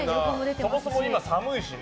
そもそも今、寒いしね。